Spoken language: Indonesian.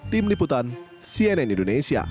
tim liputan cnn indonesia